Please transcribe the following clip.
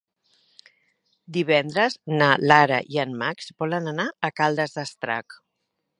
Divendres na Lara i en Max volen anar a Caldes d'Estrac.